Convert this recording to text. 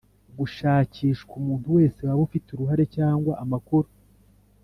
gushakishwa umuntu wese waba ufite uruhare cyangwa amakuru